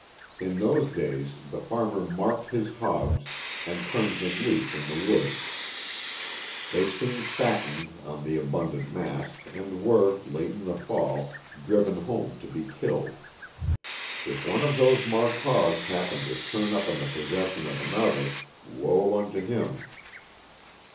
In those days the farmer marked his hogs and turned them loose in the woods. They soon fattened on the abundant mast and were, late in the fall, driven home to be killed. If one of those marked hogs happened to turn up in the possession of another, woe unto him.